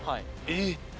えっ！